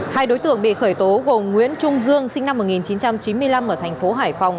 hai đối tượng bị khởi tố gồm nguyễn trung dương sinh năm một nghìn chín trăm chín mươi năm ở thành phố hải phòng